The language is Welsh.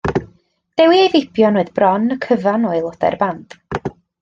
Dewi a'i feibion oedd bron y cyfan o aelodau'r band.